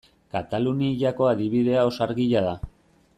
Kataluniako adibidea oso argia da.